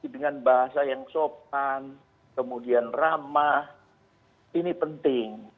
dengan bahasa yang sopan kemudian ramah ini penting